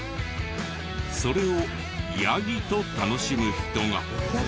それをヤギと楽しむ人が。